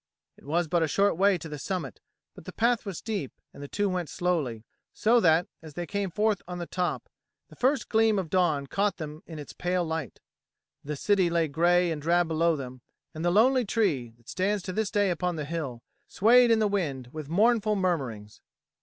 It was but a short way to the summit, but the path was steep, and the two went slowly, so that, as they came forth on the top, the first gleam of dawn caught them in its pale light. The city lay grey and drab below them, and the lonely tree, that stands to this day upon the hill, swayed in the wind with mournful murmurings.